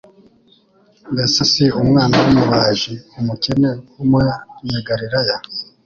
Mbese si umwana w'umubaji, umukene w'Umunyegalilaya,